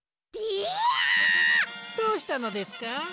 どうしたのですか？